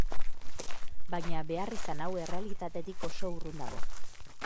Baina beharrizan hau errealitatetik oso urrun dago.